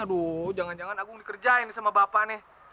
aduh jangan jangan agung dikerjain nih sama bapak nih